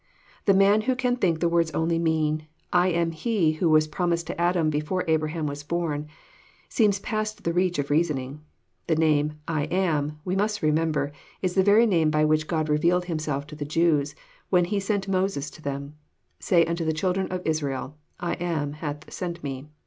The man who can think the words only mean, << I am He who was promised to Adam before Abraham was born, seems past the reach of reasoning. — The name " I AM, we must remember, is the very name by which €rod revealed Himself to the Jews, when He sent Moses to them :" Say unto the children of Israel, I AM hath sent me.